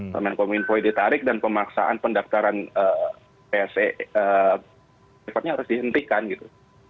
permen kominfo ditarik dan pemaksaan pendaftaran pse sifatnya harus dihentikan gitu